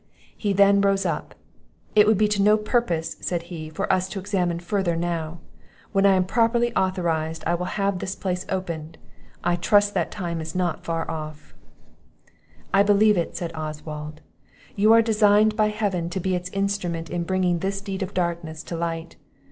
He then rose up. "It would be to no purpose," said he, "for us to examine further now; when I am properly authorised, I will have this place opened; I trust that time is not far off." "I believe it," said Oswald; "you are designed by Heaven to be its instrument in bringing this deed of darkness to light.